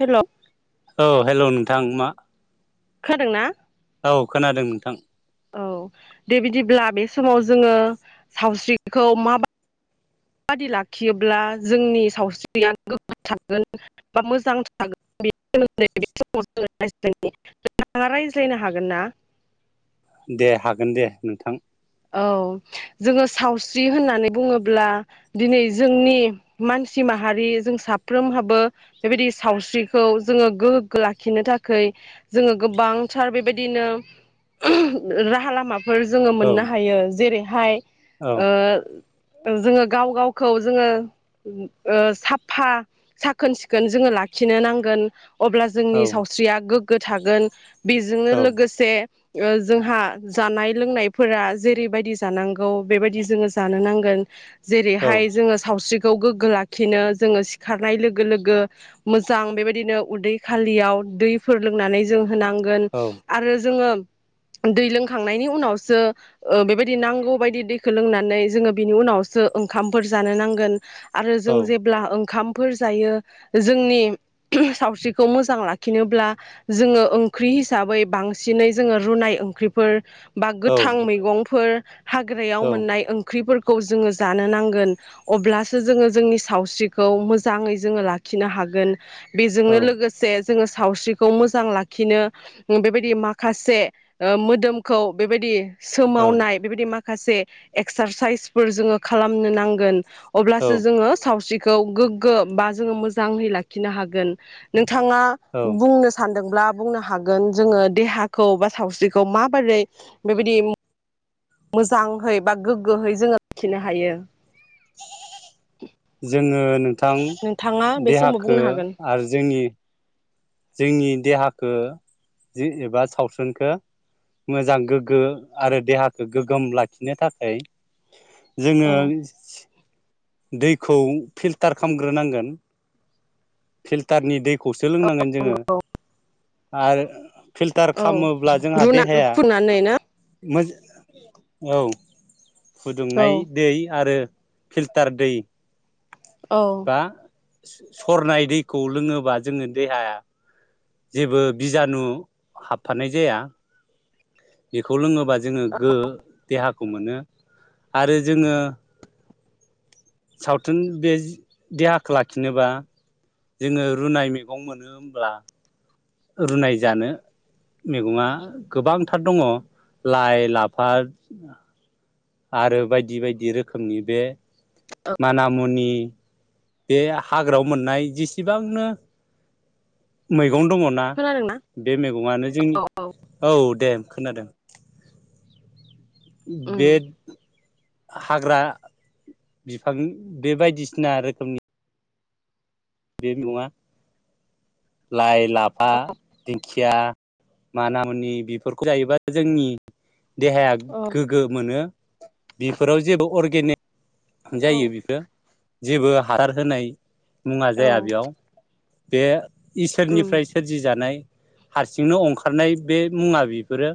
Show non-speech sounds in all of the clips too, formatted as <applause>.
हेल' औ हेल' नों थांमा। खोदों ना। औ खोनादों नोंथां । औ दे बिदिब्ला बे समाव जोङो सावस्रिखौ माबा बादि लाखियोब्ला जोंनि सावस्रियानो <unintelligible> थागोन बा मोजां थागोन <unintelligible> नोंथाङा रायज्लायनो हागोन ना। दे हागोन दे नोंथां । औ जोङो सावस्रि होननानै बुङोब्ला दिनै जोंनि मानसि माहारि जों साफ्रोमहाबो बेबायदि सावस्रिखौ जोङो गोहोखो लाखिनो थाखाय जोङो गोबांथार बेबायदिनो <unintelligible> राहा लामा। फोर जोङो औ मोनना। जेरै हाय। औ ओ। ओ जोङो गाव गावखौ जोङो ओ साफ्फा साखोन सिखोन जोङो लाखिनो नांगोन । अब्ला औ जोंनि सावस्रिया गोग गो थागोन । बेजोंनो औ लोगोसे। ओ जोंहा जानाय लोंनायफोरा। जेरैबायदि जानांगौ बेबायदि जोङो जानो नांगोन । जेरै औ हाय जोङो सावस्रि। खौ गोग्गो लाखिनो जोङो सिखारनाय लोगो लोगो मोजां बेबायदिनो उदै खालियाव दैफोर लोंनानै जों होनांग गन औ आरो जोङो दै लोंखांनायनि उनावसो ओ बेबायदि नांगौ बायदि दैखौ लोंनानै जोङो बिनि उनावसो ओंखामफोर जानो नांगोन। आरो जों जेब्ला ओंखाम फोर जायो जोंनि सावस्रिखौ मोजां लाखिनोब्ला जोङो ओंख्रि हिसाबै बांसिनै जोङो रुनाय ओंख्रिफोर बा गोथां मैग फोर हाग्रायाव मोननाय ओंख्रिफोरख खौ जोङो जानो नांगोन अब्लासो जोङो जोंनि सावस्रिखौ मोजाङै जोङो लाखिनो हागोन। बेजोंनो लोगोसे जोङो सावस्रिखौ मोजां लाखिनो बेबायदि माखासे ओ मोदोमखौ बेबायदि औ सोमावनाय बेबायदि माख माखासे एक्सारसाइसफोर जोङो खालामनो नांगोन। औ अब्लासो जोङो सावस्रि खौ गोग्गो बा जोङो मोजाङै लाखिनो हागोन नों थाङा औ बुंनो सान्दों ब्ला बुंनो हागोन जोङो देहाखौ बा सावस्रिखौ माबोरै बेबायदि मोजांहै बा गोग्गोहै जोङो लाखिनो हायो। जोङो नों थां नोंथाङा बे समाव देहाखो बुंनो हागोन आरो जोंनि जोंनि देहाखो जि एबा सावस्रोनखौ मोजां गोग्गो आरो देहाखो गोग्गोम लाखिनो थाखाय जोङो औ दैखौ फिल्टार खालामग्रोनांगोन फिल्टारनि दैखौसो सो लोंनांगोन जोङो। आर ओ औ रुना फुननानै ना? औ औ फुदुंनाय दै आरो फिल्ट कार दै औ स-सरनाय दैखौ लोङोबा जोङो देहाया जेबो बिजानु हाबफानाय जाया बेखौ लोङोबा। जोङो गो देहाख खौ मोनो आरो जोङो सावथुन बे देहाखौ लाखिनोबा जोङो रुनाय मैगं मोनो होमब्ला रुनाय जानो मैगङा गोबांथार दङ लाइ लाफा आरो बायदि बायदि बायदि रोखोमनि बे माना मुनि बे हाग्रायाव मोननाय जेसेबांनो मै मैगं दङ ना खोनादोंना बे मैगङानो जोंनि औ औ दे खोनादों उम बेड <unintelligible> हाग्रा बिफां बे बायदिसिना रोखोमनि बे मुङा लाइ लाफा दिंखिया माना मुनि बेफोरखौ जायोबा जोंनि देहाया औ गोगो मोनो बेफोराव जेबो अ गनो <unintelligible> जायो बेखो जेबो हारार होनाय मुं औ जाया बेयाव बे उम इसोरनिफ्राय सोरजिजानाय हारसिंनो अंखारनाय बे मुङा बेफोरो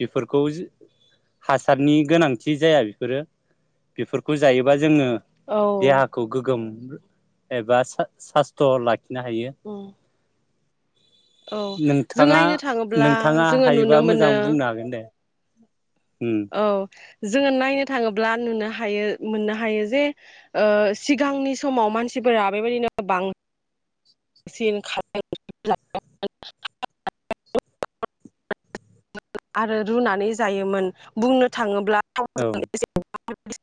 बेफोरखौ हासारनि गोनांथि जाया बेफोरो बेफोरखौ जायोबा जोङो औ देहाखौ गोगोम एबास सासथ ला खिनो हायो उम औ जों नोंथाङा नायनो थाङोब्ला नोंथाङा जोङो नुनो हायोबा मोजां मोनो बुंनो हागोन दे उम औ जोङो नायनो थाङोब्ला नुनो हायो मोननो हायो जे ओ सिगांनि समाव मानसिफोरा बेबायदिनो बां सिन <unintelligible> आरो रुनानै जायोमोन बुंनो थाङोब्ला औ मोजां <unintelligible>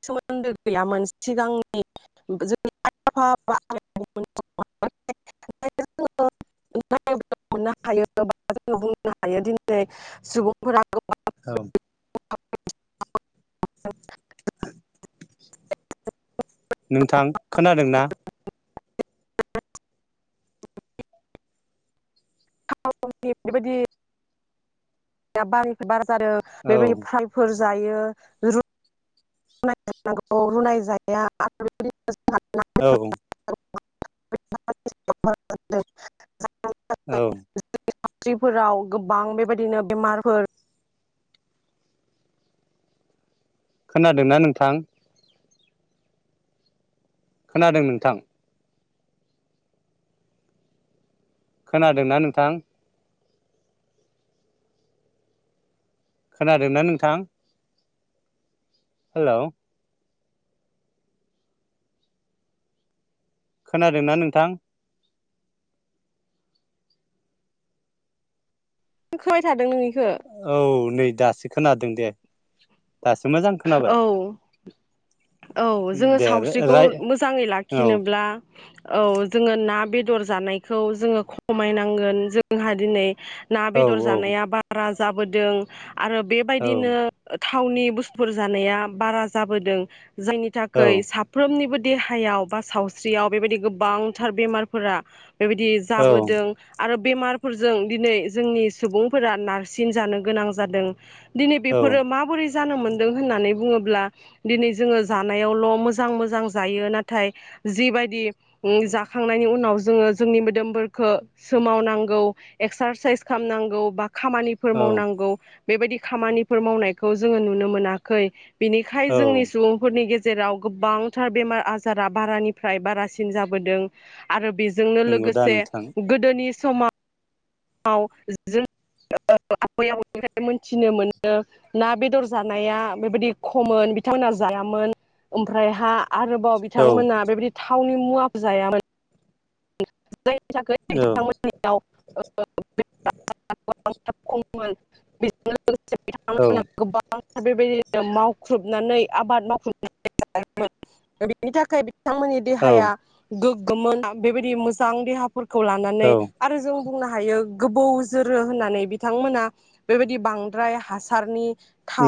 सोमोन्दो गैयामोन सिगांनि जों आफ बुंनो हायो दि सुबुं <unintelligible> फोरा गोबां औ <unintelligible> नोंथां खोनादोंना <unintelligible> बेबादि गाबा बार <unintelligible> जादो औ बेबायदि फालफोर जायो रु नायजानांगौ रुनाय जाया आरो <unintelligible> औ <unintelligible> औ सावस्रिफोराव गोबां बेबायदिनो बेमारफोर खोनादोना नोंथां? खोनादों नोंथां? खोनादोना नोंथां? खोनादोना नोंथां? हेलौ खोनादोंना नोंथां? <unintelligible> इखो औ नै दासो खोनादों दे दासो मोजां खोनाबाय। औ औ जोङो दे सावस्रिखौ राय मोजाङै औ लाखिनोब्ला औ जोङो ना बेदर जानायखौ जोङो खमायनांगोन जोंहा दिनै ना औ बेदर जानाया बारा जाबोदों आरो औ बेबायदिनो थावनि बुस फोर जानाया बारा जाबोदों। जायनि औ थाखाय साफ्रोमनिबो देहायाव बा सावस्रियाव बेबायदि गोबांथार बेमारफोरा बेबायदि जाबोदों आरो। बेमारफोरजों दिनै जोंनि सुबुंफोरा नारसिन जानो गोनां जादों। दिनै औ बेफोरो माबोरै? जानो मोन दों होननानै बुङोब्ला दिनै जोङो जानायावल' मोजां मोजां जायो नाथाय जिबायदि जाखांनायनि उनाव जोङो जोंनि मोदोमख सोमावनांगौ एक्सारसाइस खालामनांगौ बा खामानिफोर औ मावनांगौ। बेबायदि खामानिफोर मावनायखौ जोङो नुनो मोना। खै। बिनिखाय औ जोंनि सुबुंफोरनि गेजेर जेराव गोबांथार बेमार आजारा बारानिफ्राय बारासिन जाबोदों आरो बे जोंनो नंगौ दा लोगोसे नोंथां गोदोनि समा आव जों आबै आबौनिफ्राय मोनथिनो मोनो ना बेदर जानाया बेबायदि खममोन बिथांमोनहा जायामोन ओमफ्राय हा आरोबाव औ बिथांमोना बेबायदि थावनि मुवाफोर जायामोन। जायनि थाखाय औ बिथांमोनियाव <unintelligible> खममोन बिदिनो लोगोसे बिथांमोन औ गोबां बेबायदिनो मावख्रुबनानै आबाद मावखुबायोमोन बेनि थाखाय बिथांमोननि औ देहाया गोग गोमोन। बेबायदि मोजां देहाफोर औ खौलानानै आरो जों बुंनोहायो गोबौ जोरो होननानै बिथांमोना बेबायदि बांद्राय हासारनि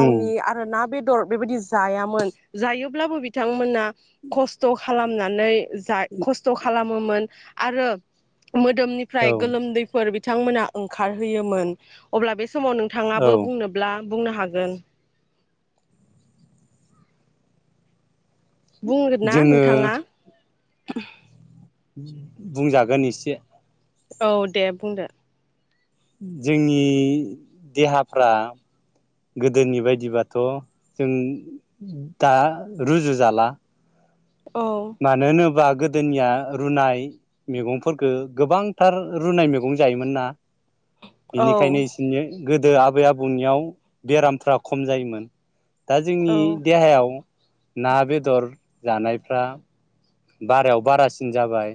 उम आरो ना बेद बेदर बेबायदि जायामोन जायोब्लाबो बिथांमोना खस्थ' खालामनानै जा खस्थ' खालामोमोन आरो मोदोमनिफ्राय औ गोलोमदैफोर बि बिथांमोना ओंखारहोयोमोन अब्ला बे समाव नोंथाङाबो औ बुंनोब्ला बुंनोहागोन बुंगोन ना जोङो नोंथाङा <unintelligible> बुंजागोन एसे औदे बुंदो जोंनि देहाफ्रा गोदोनिबायदिबाथ' जों दा रुजु जाला औ मानो नो बाग गोदोनिया रुनाय मैगंफोरखौ गोबांथार रुनाय मैगं जायोमोन ना। औ बेनिखायनो बिसनि गोदो आबै आबौनियाव बेरामफ्रा खम जायोमोन दा औ जोंनि देहायाव ना बेदर जानायफ्रा बारायाव बारासिन जाबाय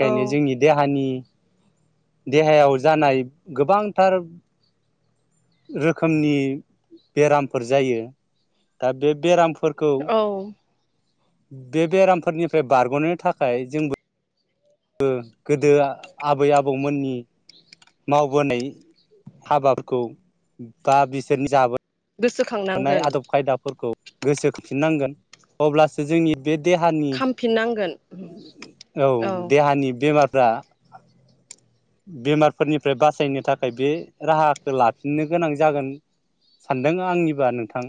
औ जोंनि देहानि देहायाव जानाय गोबांथार रोखोमनि बेरामफोर जायो दा बे बेराम औ। बेेबराम फोरनिफ्राय बारग'नो थाखाय जोंबो गोदो आबै आबौमोननि मावबोनाय हाबाफोरखौ बा बिसोरनि जाबोन मोननाय गोसोखांनांगोन आदब खायदाफोरखौ गोसोखांफिननांगोन अब्लासो जोंनि बे देहानि खामफिननांगोन औ देहानि बेमार <unintelligible> बेमारफोरनिफ्राय बासायनो थाखाय बे राहाखौ लाफिननो गोनां जागोन सानदों आंनिबा नोंथां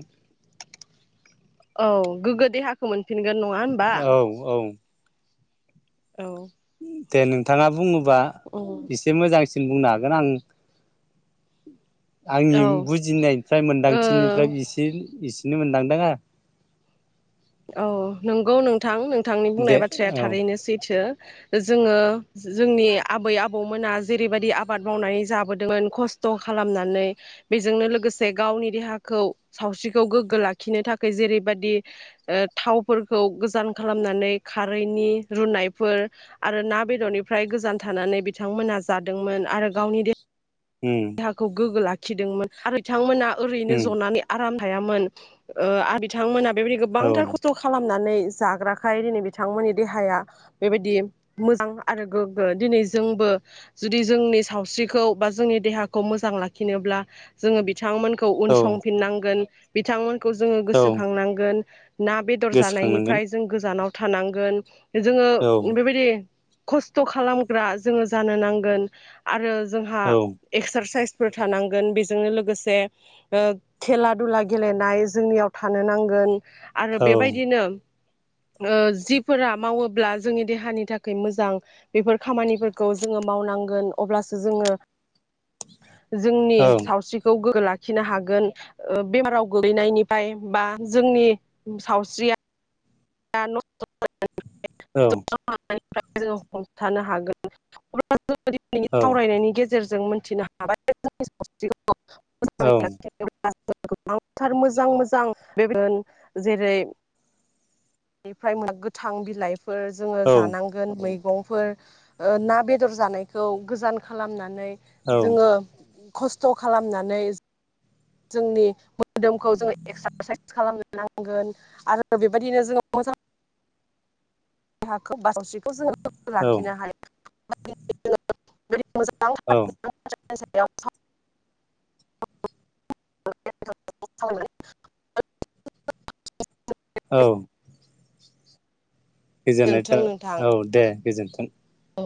औ गोग्गो देहाखौ मोन । फिनगोन नङा होनबा। औ औ औ। दे नोंथाङा बुङो बा औ एसे मोजां बुंनो हागोन आं। आंनि औ बुजिफ्राय ओ मोनदांथिनिफ्राय बिसिम इस बिनो मोनदांदोंङो। <unintelligible> औ नंगौ नोंथां नों। नोंथांनि आरो दे बुंनाय बाथ्राया औ थारैनो सैथो। जोङो जोंनि आबै आबौमोना जेरैबायदि आबाद मावनानै जाबोदोंमोन खस्थ' खालामनानै बेजोंनो लोगोसे गावनि देहाखौ सावस्रिखौ गोग्गो लाखिनो थाखाय जेरैबायदि। ओ थावफोरखौ गोजान खालामनानै खारैनि रुनायफोर आरो ना बेदरनिफ्राय गोजान थानानै बिथांमोना जादोंमोन आरो गावनि दे। उम देहाखौ गोगो ला थिदोंमोन आरो बिथांमोना ओरैनो उम जनानै आराम। हायामोन ओ आ बिथांमोना । बेबायदि औ गोबांथार खस्थ' खालामनानै। जाग्राखाय दिनै बिथांमोननि देहाया बेबायदि मोजां आरो गोग्गो दिनै जोंबो जुदि जोंनि सावस्रिखौ बा जोंनि देहाखौ मोजां लाखिनोब्ला जोङो बि बिथांमोनखौ औ उनसंफिननांगोन। बिथांमोन। खौ जोङो औ गोसोखांनांगोन। ना बेदर गोसोखांनांगोन जानायनिफ्राय जों गोजानाव थानांगोन। जोङो औ बेबायदि। खस्थ' खालामग्रा जोङो जानो नांगोन आरो जोंहा। औ एक्सारसाइसफोर थानांगोन बेजोंनो लोगोसे ओ खेला दुला गेलेनाय जोंनियाव थानो नांगोन। आरो औ बेबायदिनो। ओ जिफोरा मावोब्ला जोंनि देहानि थाखाय मोजां बेफोर खामानिफोरखौ जोङो मावनांगोन अब्लासो जोङो। जोंनि औ सावस्रिखौ गोग लाखिनो हागोन ओ बेमाराव गोग्लैनायनिफाय बा जोंनि उम सावस्रिया <unintelligible> <unintelligible> औ <unintelligible> जोङो हमथानो हागोन <unintelligible> सावरायनायनि गेजेर गेजेरजों मोनथिनो हाबाय <unintelligible> औ <unintelligible> गोबांथार मोजां मोजां बेबायदिनो जेरै बेनिफ्राय <unintelligible> गोथां बिलाइ फोर जोङो औ जानांगोन मै गंफोर ओ ना बेदर जानायखौ गोजान खालामनानै जोङो खस्थ खालामनानै जोंनि मोदोमखौ जोङो एक्सारसाइस खालामनो नांगोन आरो बेबायदिनो जोङो मोजां देहाखौ सावस्रिखौ जोङो औ लाखिनो हाया <unintelligible> <unintelligible> <unintelligible> औ दोनथों नोंथां <unintelligible> औ दे गोजोनथों औ